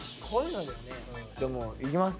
じゃあもういきます？